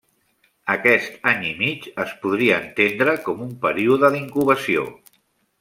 Aquest any i mig es podria entendre com un període d'incubació.